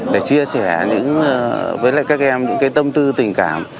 để chia sẻ với lại các em những cái tâm tư tình cảm